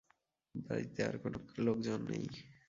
বাড়িতে আর কোনো লোকজন নেই।